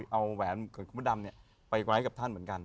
เอาแหวนมือดำไปไว้กับท่านเหมือนกัน